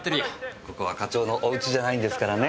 ここは課長のお家じゃないんですからね。